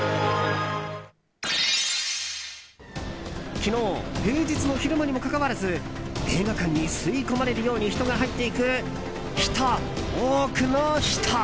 昨日平日の昼間にもかかわらず映画館に吸い込まれるように入っていく人、多くの人！